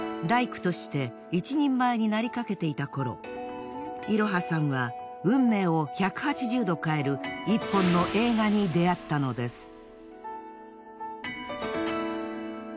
大工として一人前になりかけていた頃いろはさんは運命を１８０度変える１本の映画に出会ったのです。